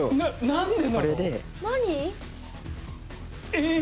何で？